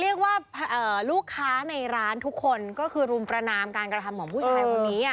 เรียกว่าลูกค้าในร้านทุกคนก็คือรุมประนามการกระทำของผู้ชายคนนี้